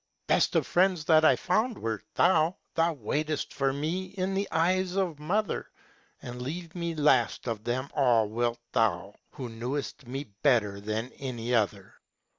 Best of friends that I found wert thou; Thou waitedst for me in the eyes of mother. And leave me last of them all wilt thou, Who knewest me better than any other.